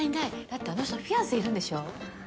だってあの人フィアンセいるんでしょう。